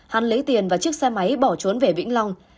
hắn lấy tiền và chiếc xe máy bỏ trốn về vĩnh long